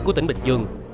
của tỉnh bình dương